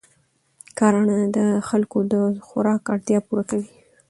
کرنه د خلکو د خوراک اړتیا پوره کوي